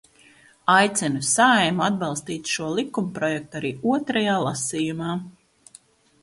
Aicinu Saeimu atbalstīt šo likumprojektu arī otrajā lasījumā.